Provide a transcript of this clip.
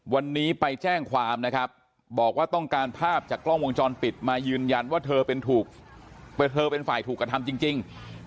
วันนี้ไปแจ้งความนะครับบอกว่าต้องการภาพจากกล้องวงจรปิดมายืนยันว่าเธอเป็นฝ่ายถูกกระทำจริง